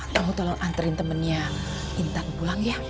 kamu tolong anterin temennya intan pulang ya